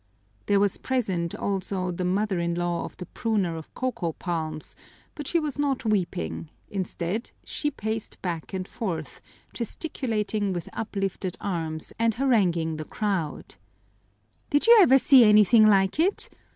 There was present also the mother in law of the pruner of coco palms, but she was not weeping; instead, she paced back and forth, gesticulating with uplifted arms, and haranguing the crowd: "Did you ever see anything like it?